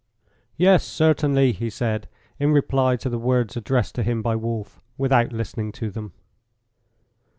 "Yes, certainly," he said, in reply to the words addressed to him by Wolf, without listening to them.